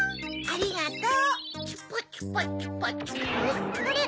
ありがとう。あれ？